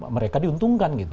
mereka diuntungkan gitu